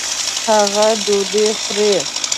هغه ډوډۍ خوري